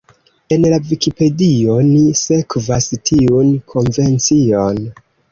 En la Vikipedio ni sekvas tiun konvencion.